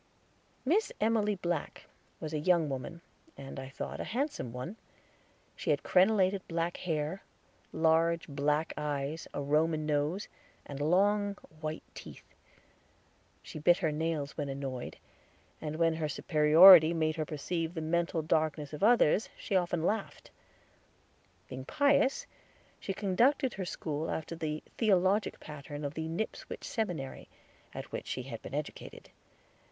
Miss Emily Black was a young woman, and, I thought, a handsome one. She had crenelated black hair, large black eyes, a Roman nose, and long white teeth. She bit her nails when annoyed, and when her superiority made her perceive the mental darkness of others she often laughed. Being pious, she conducted her school after the theologic pattern of the Nipswich Seminary, at which she had been educated.